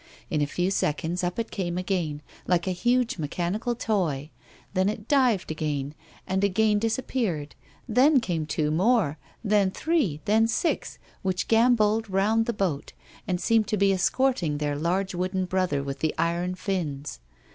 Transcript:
In a few seconds up it came again, like a huge mechanical toy ; then it dived again, and again disappeared ; then came two more, then three, then six, which gambolled round the boat, and seemed to be escorting their large wooden brother witii the iron fins.